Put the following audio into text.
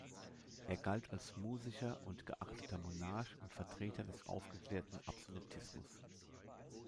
Er galt als musischer und geachteter Monarch und Vertreter des aufgeklärten Absolutismus.